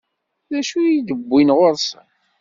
D acu i tt-iwwin ɣur-sen?